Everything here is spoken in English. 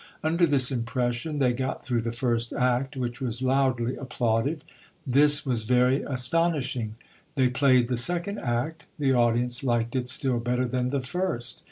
Under this impression, they got through the first act, which was loudly applauded. This was very astonishing ! They played the second act ; the audience liked it still better than the first.